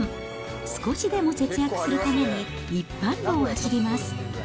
少しでも節約するために、一般道を走ります。